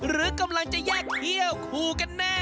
หรือกำลังจะแยกเขี้ยวคู่กันแน่